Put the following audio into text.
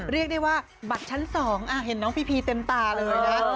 เรียกได้ว่าบัตรชั้น๒เห็นน้องพีพีเต็มตาเลยนะ